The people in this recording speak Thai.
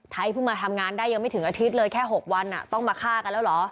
เพิ่งมาทำงานได้ยังไม่ถึงอาทิตย์เลยแค่๖วันต้องมาฆ่ากันแล้วเหรอ